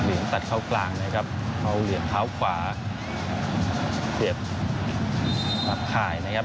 เหลี่ยมตัดเขากลางเลยครับเขาหาที่เงียบชายนะครับ